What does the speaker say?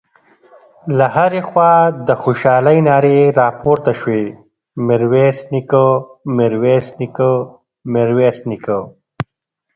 له هرې خوا د خوشالۍ نارې راپورته شوې: ميرويس نيکه، ميرويس نيکه، ميرويس نيکه….